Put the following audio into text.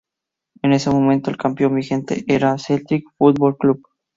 En ese momento, el campeón vigente era el Celtic Football Club.